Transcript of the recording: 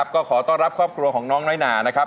ก็ขอต้อนรับครอบครัวของน้องน้อยหนานะครับ